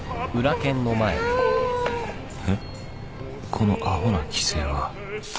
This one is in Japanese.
このアホな奇声は